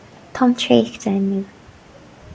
Táim traochta inniu.